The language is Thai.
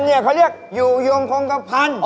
ยกมือยกมือเข้าไป